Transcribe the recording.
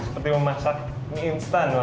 seperti memasak mie instan